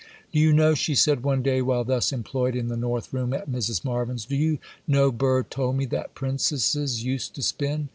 'Do you know,' she said, one day, while thus employed in the north room at Mrs. Marvyn's,—'do you know Burr told me that princesses used to spin?